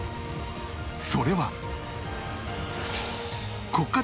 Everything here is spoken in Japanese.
それは